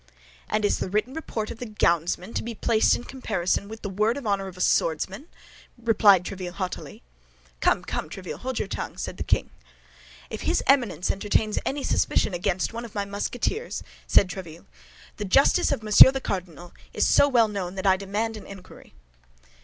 "And is the written report of the gownsmen to be placed in comparison with the word of honor of a swordsman?" replied Tréville haughtily. "Come, come, Tréville, hold your tongue," said the king. "If his Eminence entertains any suspicion against one of my Musketeers," said Tréville, "the justice of Monsieur the Cardinal is so well known that I demand an inquiry."